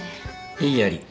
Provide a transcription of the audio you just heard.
異議あり。